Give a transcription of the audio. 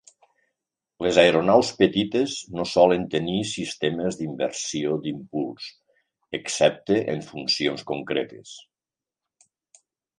Les aeronaus petites no solen tenir sistemes d'inversió d'impuls, excepte en funcions concretes.